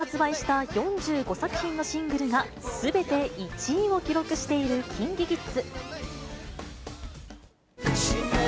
デビュー以来、これまで発売した４５作品のシングルが、すべて１位を記録しているＫｉｎＫｉＫｉｄｓ。